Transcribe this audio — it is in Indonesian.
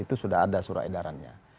itu sudah ada surat edarannya